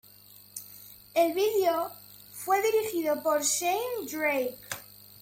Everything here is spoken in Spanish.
El video fue dirigido por Shane Drake.